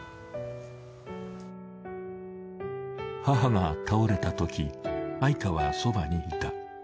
母が倒れたとき愛華はそばにいた。